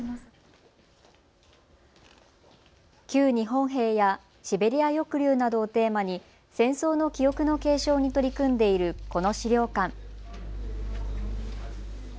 旧日本兵やシベリア抑留などをテーマに戦争の記憶の継承に取り組んでいるこの資料館。